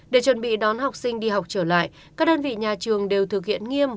để chuẩn bị đón học sinh đi học trở lại các đơn vị nhà trường đều thực hiện nghiêm